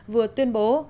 vừa tuyên bố